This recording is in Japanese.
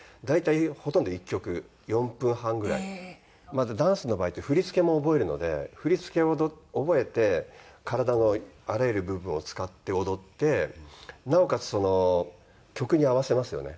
まずダンスの場合って振り付けも覚えるので振り付けを覚えて体のあらゆる部分を使って踊ってなおかつその曲に合わせますよね。